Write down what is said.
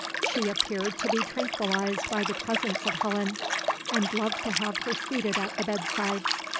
She appeared to be tranquillized by the presence of Helen, and loved to have her seated at the bedside.